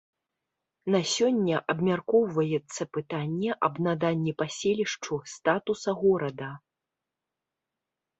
На сёння абмяркоўваецца пытанне аб наданні паселішчу статуса горада.